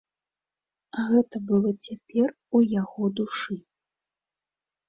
Гэта было цяпер у яго душы.